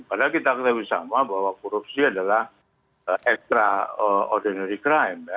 padahal kita tahu sama bahwa korupsi adalah extraordinary crime ya